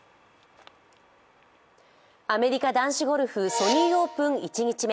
アメリカ、男子ゴルフソニー・オープン１日目。